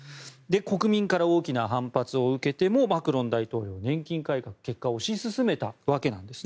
国民から大きな反発を受けてもマクロン大統領は年金改革結果、推し進めたわけなんです。